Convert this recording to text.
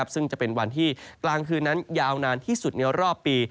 ซึ่งจะเป็นวันที่กลางคืนนั้นยาวนานที่สุดในรอบปี